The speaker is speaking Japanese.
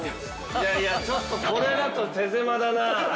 ◆いやいや、ちょっとこれだと手狭だな。